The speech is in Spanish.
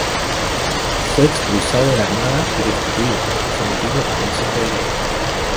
Fue expulsado de la Armada y destituido, sometido a consejo de guerra.